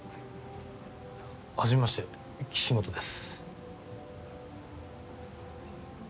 はじめまして岸本です。